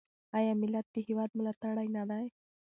آیا ملت د هیواد ملاتړی نه دی؟